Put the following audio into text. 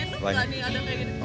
terus gimana nih pak